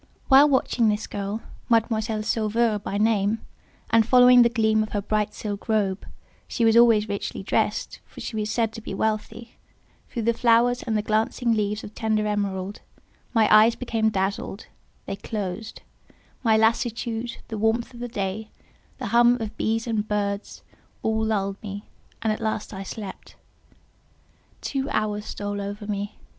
While watching this girl, Mademoiselle Sauveur by name, and following the gleam of her bright silk robe (she was always richly dressed, for she was said to be wealthy) through the flowers and the glancing leaves of tender emerald, my eyes became dazzled—they closed; my lassitude, the warmth of the day, the hum of bees and birds, all lulled me, and at last I slept. Two hours stole over me.